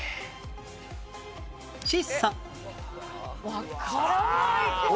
わからないこれ。